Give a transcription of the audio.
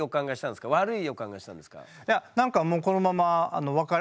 悪い予感がしたんですか？